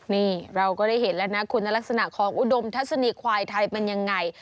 นี่เราก็ได้เห็นแล้วนะคุณลักษณะของอุดมทัศนีควายไทยเป็นยังไง